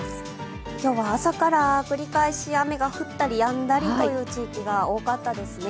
今日は朝から繰り返し雨が降ったりやんだりという地域が多かったですね